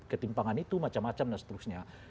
ketimpangan itu macam macam dan seterusnya